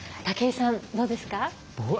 武井さん、どうですか？